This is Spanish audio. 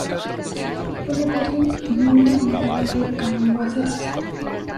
Fue la cuarta y última novela de Cambaceres.